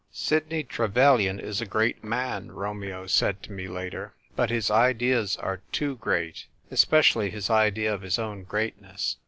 "Sidney Trevelyan is a great man," Romeo said to me later ;" but his ideas are too great — especially his idea of his own greatness.